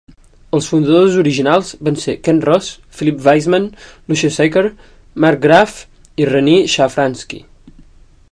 Els fundadors originals van ser Ken Ross, Philip Weisman, Lushe Sacker, Mark Graff, Renee Shafransky.